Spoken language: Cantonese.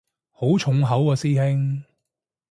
好重口喎師兄